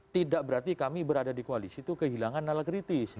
tidak berarti kami berada di koalisi itu kehilangan nalakritis